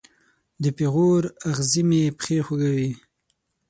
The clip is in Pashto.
د پیغور اغزې مې پښې خوږوي